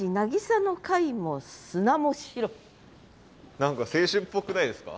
何か青春っぽくないですか？